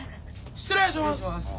失礼します！